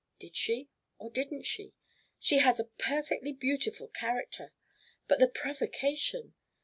Did she or didn't she? She has a perfectly beautiful character but the provocation!